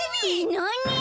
なに！